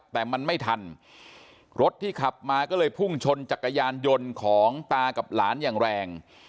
แต่มันไม่ทันรถที่ขับมาก็เลยพุ่งชนจักรยานยนต์ของตากับหลานอย่างแรง